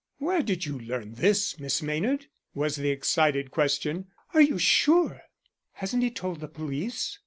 "Where did you learn this, Miss Maynard?" was the excited question. "Are you sure?" "Hasn't he told the police?"